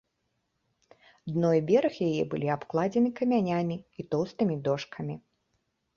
Дно і бераг яе былі абкладзены камянямі і тоўстымі дошкамі.